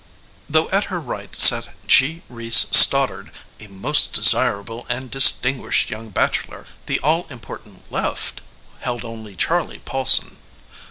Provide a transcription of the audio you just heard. Though at her right sat G. Reece Stoddard, a most desirable and distinguished young bachelor, the all important left held only Charley Paulson.